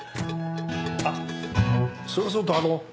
あっそれはそうとあの。